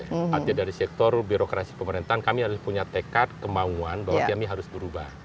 artinya dari sektor birokrasi pemerintahan kami harus punya tekad kemauan bahwa kami harus berubah